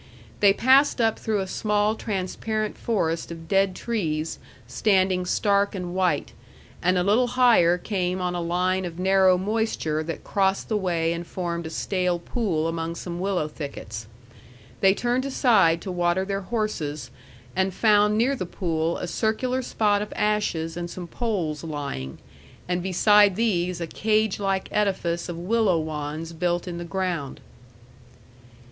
They passed up through a small transparent forest of dead trees standing stark and white, and a little higher came on a line of narrow moisture that crossed the way and formed a stale pool among some willow thickets. They turned aside to water their horses, and found near the pool a circular spot of ashes and some poles lying, and beside these a cage like edifice of willow wands built in the ground.